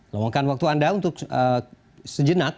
luangkan waktu anda untuk sejenak